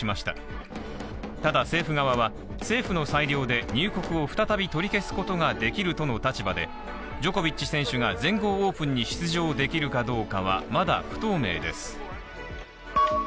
ただ政府側は政府の裁量で入国を再び取り消すことができるとの立場でジョコビッチ選手が全豪オープンに出場できるかどうかはまだ不透明です。